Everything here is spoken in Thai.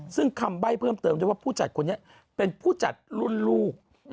ซึ่งคำใบ้เพิ่มเติมได้ว่าผู้จัดคนนี้เป็นผู้จัดรุ่นลูก